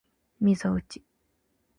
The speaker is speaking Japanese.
肘うち